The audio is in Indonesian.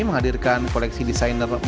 menghadirkan koleksi desainer mel ahyar ferd